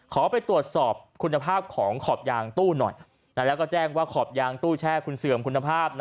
ขอไปตรวจสอบคุณภาพของขอบยางตู้หน่อยแล้วก็แจ้งว่าขอบยางตู้แช่คุณเสื่อมคุณภาพ